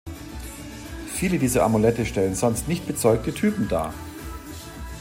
Viele dieser Amulette stellen sonst nicht bezeugte Typen dar.